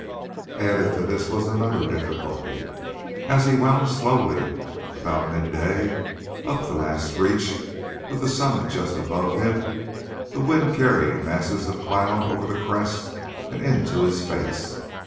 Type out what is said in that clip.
Added to this was another difficulty. As he wound slowly, about midday, up the last reach, with the summit just above him, the wind carried masses of cloud over the crest and into his face.